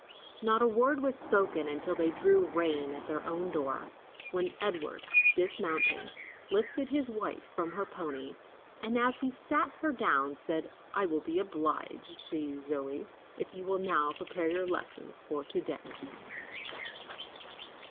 Not a word was spoken until they drew rein at their own door, when Edward, dismounting, lifted his wife from her pony, and as he set her down, said, "I will be obliged to you, Zoe, if you will now prepare your lessons for to day."